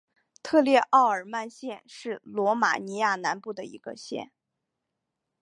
特列奥尔曼县是罗马尼亚南部的一个县。